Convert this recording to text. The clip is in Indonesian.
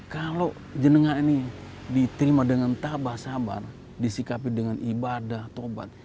kalau jenengah ini diterima dengan tabah sabar disikapi dengan ibadah tobat